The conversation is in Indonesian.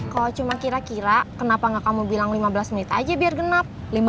kalau cuma kira kira kenapa nggak kamu bilang lima belas menit aja biar genap